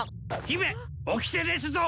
姫おきてですぞ！